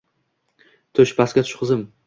Tush, pastga tush qizim